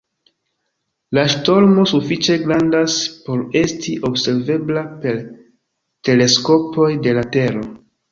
La ŝtormo sufiĉe grandas por esti observebla per teleskopoj de la Tero.